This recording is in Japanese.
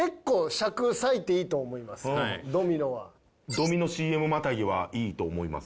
ドミノＣＭまたぎはいいと思います。